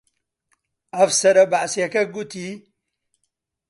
ئەفسەرە بەعسییەکە گوتی: